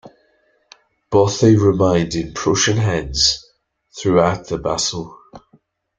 Bothey remained in Prussian hands throughout the battle.